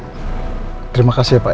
terima kasih ya pak